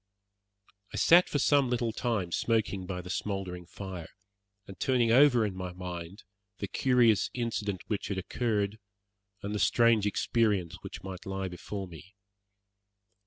I sat for some little time smoking by the smouldering fire, and turning over in my mind the curious incident which had occurred, and the strange experience which might lie before me.